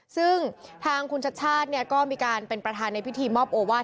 ซึ่งทางคุณชัดชาติก็มีการเป็นประธานในพิธีมอบโอวาส